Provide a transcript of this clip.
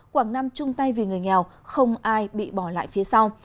quảng nam chung tay vì người nghèo không ai bị bỏ lại phía sau